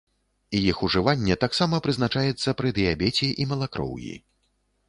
Іх ужыванне таксама прызначаецца пры дыябеце і малакроўі.